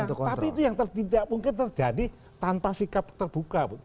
nah tapi itu yang tidak mungkin terjadi tanpa sikap terbuka